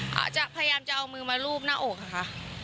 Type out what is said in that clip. อาจจะพยายามจะเอามือมารูปหน้าอกค่ะ